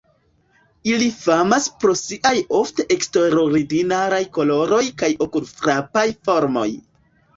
Ili famas pro siaj ofte eksterordinaraj koloroj kaj okulfrapaj formoj.